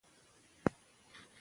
که مایک وي نو خبره نه ورکیږي.